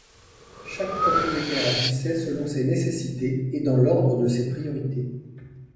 Chaque propriétaire agissait selon ses nécessités et dans l'ordre de ses priorités.